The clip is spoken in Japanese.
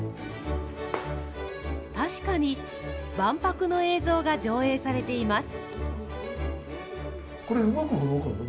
確かに、万博の映像が上映されています。